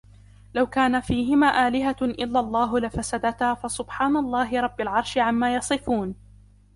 لَوْ كَانَ فِيهِمَا آلِهَةٌ إِلَّا اللَّهُ لَفَسَدَتَا فَسُبْحَانَ اللَّهِ رَبِّ الْعَرْشِ عَمَّا يَصِفُونَ